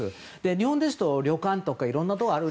日本ですと旅館とかいろんなところにある。